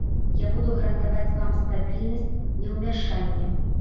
Я буду гарантаваць вам стабільнасць, неўмяшанне.